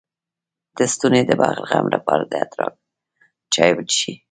د ستوني د بلغم لپاره د ادرک چای وڅښئ